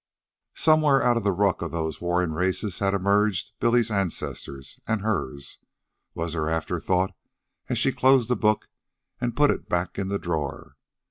Somewhere out of the ruck of those warring races had emerged Billy's ancestors, and hers, was her afterthought, as she closed the book and put it back in the drawer.